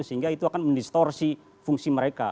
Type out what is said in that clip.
sehingga itu akan mendistorsi fungsi mereka